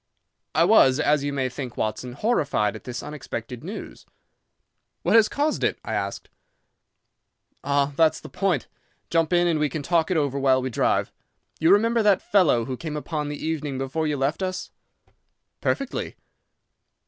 "I was, as you may think, Watson, horrified at this unexpected news. "'What has caused it?' I asked. "'Ah, that is the point. Jump in and we can talk it over while we drive. You remember that fellow who came upon the evening before you left us?' "'Perfectly.